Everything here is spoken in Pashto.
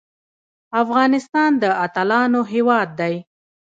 افغانستان د اتلانو هیواد دی